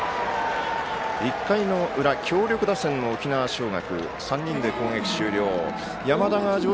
１回の裏、強力打線の沖縄尚学３人で攻撃終了。